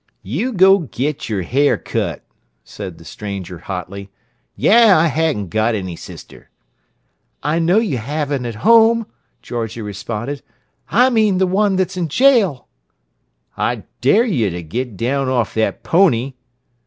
"You go get your hair cut!" said the stranger hotly. "Yah! I haven't got any sister!" "I know you haven't at home," Georgie responded. "I mean the one that's in jail." "I dare you to get down off that pony!"